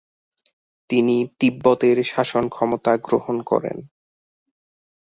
তিনি তিব্বতের শাসনক্ষমতা গ্রহণ করেন।